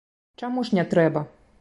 Чаму ж не трэба?